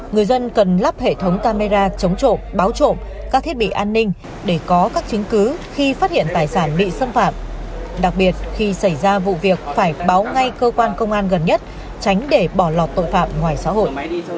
người dân cần lắp hệ thống camera chống trộm báo trộm các thiết bị an ninh để có các chứng cứ khi phát hiện tài sản bị xâm phạm đặc biệt khi xảy ra vụ việc phải báo ngay cơ quan công an gần nhất tránh để bỏ lọt tội phạm ngoài xã hội